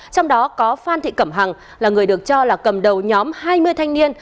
trong đó có phan thị cẩm hằng là người được cho là cầm đầu nhóm hai mươi thanh niên